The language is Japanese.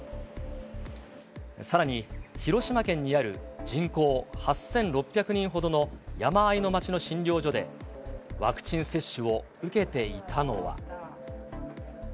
さらに広島県にある人口８６００人ほどの山あいの町の診療所で、ワクチン接種を受けていたのは。